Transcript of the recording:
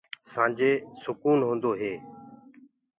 سآنجي سُڪون هوندو هي۔